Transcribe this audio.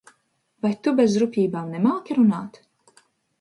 Vai Tu bez rupjībām nemāki runāt?